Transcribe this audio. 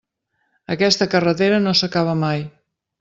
Aquesta carretera no s'acaba mai.